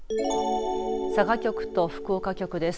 佐賀局と福岡局です。